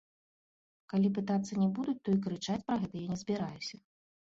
Калі пытацца не будуць, то і крычаць пра гэта я не збіраюся.